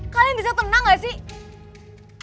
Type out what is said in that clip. kalian bisa tenang gak sih